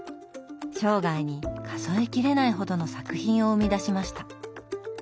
生涯に数えきれないほどの作品を生み出しました。